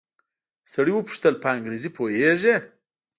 سړي وپوښتل په انګريزي پوهېږې.